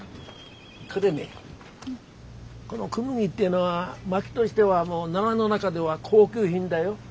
これねこのクヌギっていうのは薪どしてはもうナラの中では高級品だよ。